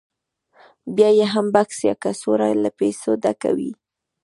بیا یې هم بکس یا کڅوړه له پیسو ډکه وي